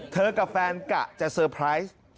กับแฟนกะจะเซอร์ไพรส์